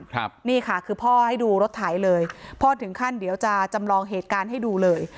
ครับนี่ค่ะคือพ่อให้ดูรถไถเลยพ่อถึงขั้นเดี๋ยวจะจำลองเหตุการณ์ให้ดูเลย